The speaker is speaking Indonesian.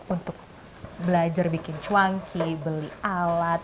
untuk belajar bikin cuangki beli alat